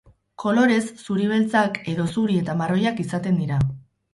Kolorez, zuri-beltzak, edo zuri eta marroiak izaten dira.